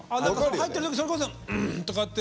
入ってる時それこそ「うん」とかって。